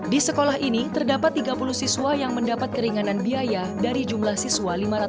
di sekolah ini terdapat tiga puluh siswa yang mendapat keringanan biaya dari jumlah siswa lima ratus empat puluh enam